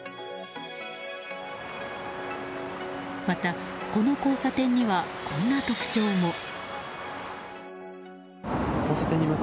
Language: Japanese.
また、この交差点にはこんな特徴も。